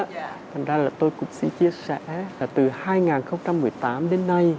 thành ra là tôi cũng xin chia sẻ là từ hai nghìn một mươi tám đến nay